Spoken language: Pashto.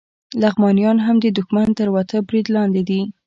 لغمانیان هم د دښمن تر ورته برید لاندې دي